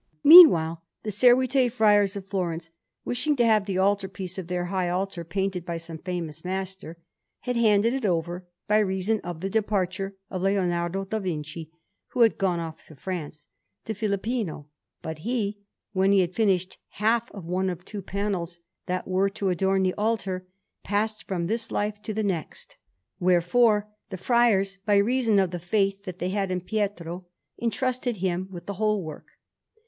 Meanwhile the Servite Friars of Florence, wishing to have the altar piece of their high altar painted by some famous master, had handed it over, by reason of the departure of Leonardo da Vinci, who had gone off to France, to Filippino; but he, when he had finished half of one of two panels that were to adorn the altar, passed from this life to the next; wherefore the friars, by reason of the faith that they had in Pietro, entrusted him with the whole work.